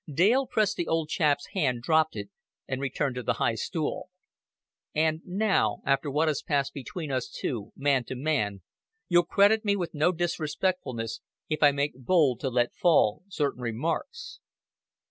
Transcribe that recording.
'" Dale pressed the old chap's hand, dropped it, and returned to the high stool. "And now, after what has passed between us two, man to man, you'll credit me with no disrespectfulness if I make bold to let fall certain remarks."